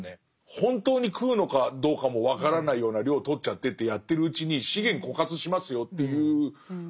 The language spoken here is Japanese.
本当に食うのかどうかも分からないような量をとっちゃってってやってるうちに資源枯渇しますよっていう。